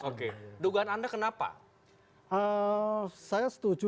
oke dugaan anda kenapa saya setuju